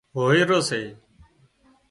هوئيرو سي